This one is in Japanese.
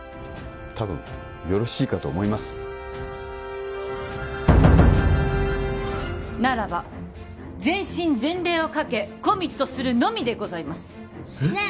たぶんよろしいかと思いますならば全身全霊をかけコミットするのみでございますねえ